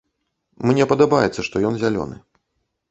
Мне падабаецца, што ён зялёны.